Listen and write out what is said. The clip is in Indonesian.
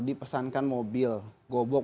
dipesankan mobil gobok